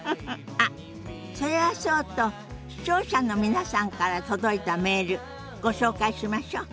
あっそれはそうと視聴者の皆さんから届いたメールご紹介しましょ。